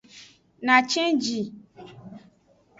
Na cenji.